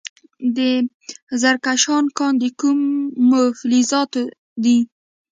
د زرکشان کان د کومو فلزاتو دی؟